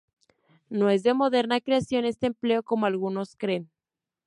No es de moderna creación este empleo, como algunos creen.